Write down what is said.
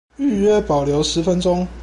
預約保留十分鐘